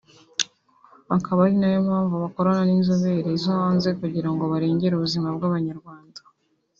akaba ari nayo mpamvu bakorana n’inzobere zo hanze kugira ngo barengere ubuzima bw’abanyarwanda